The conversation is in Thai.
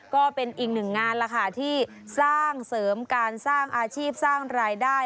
ก็เป็นอีกหนึ่งงานล่ะค่ะที่สร้างเสริมการสร้างอาชีพสร้างรายได้